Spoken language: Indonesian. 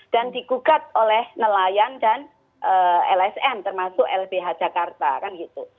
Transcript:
dan di gugat oleh nelayan dan lsm termasuk lbh jakarta kan gitu